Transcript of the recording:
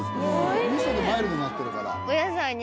みそでマイルドになってるから。